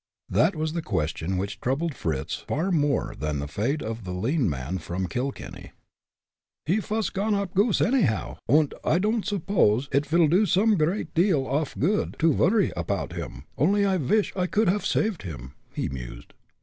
That was the question which troubled Fritz far more than the fate of the lean man from Kilkenny. "He vas a gone up goose now anyhow, und I don'd suppose id vil do some great deal off good to vorry apoud him, only I vish I could haff saved him," he mused.